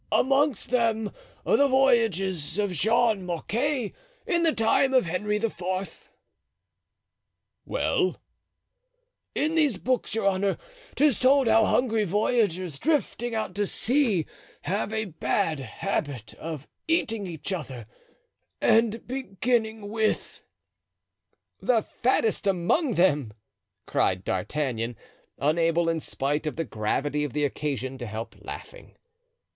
"Amongst them the voyages of Jean Mocquet in the time of Henry IV." "Well?" "In these books, your honor, 'tis told how hungry voyagers, drifting out to sea, have a bad habit of eating each other and beginning with——" "The fattest among them!" cried D'Artagnan, unable in spite of the gravity of the occasion to help laughing.